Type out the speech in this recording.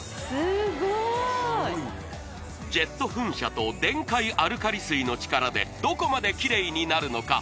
すごいすごいねジェット噴射と電解アルカリ水の力でどこまでキレイになるのか？